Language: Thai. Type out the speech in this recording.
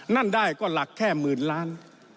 นั่นได้ก็หลักแค่หมื่นล้าน